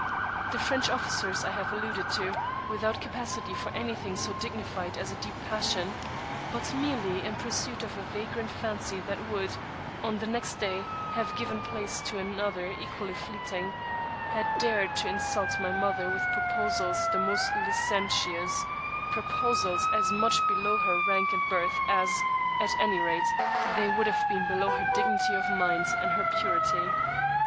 The French officers I have alluded to, without capacity for any thing so dignified as a deep passion, but merely in pursuit of a vagrant fancy that would, on the next day, have given place to another equally fleeting, had dared to insult my mother with proposals the most licentious — proposals as much below her rank and birth, as, at any rate, they would have been below her dignity of mind and her purity.